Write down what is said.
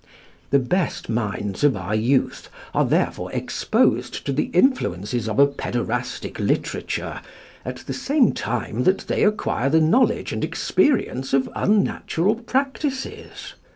The best minds of our youth are therefore exposed to the influences of a pæderastic literature at the same time that they acquire the knowledge and experience of unnatural practices.